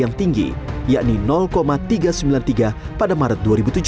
yang tinggi yakni tiga ratus sembilan puluh tiga pada maret dua ribu tujuh belas